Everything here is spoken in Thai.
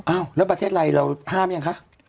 อ้าวแล้วประเทศไทยเราห้ามยังคะ